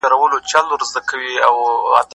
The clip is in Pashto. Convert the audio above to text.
د سولي په اړه نړیوال کنفرانسونه تل پایلې لري.